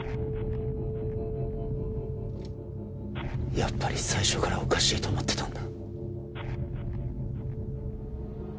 やっぱり最初からおかしいと思ってたんだ